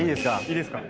いいですか。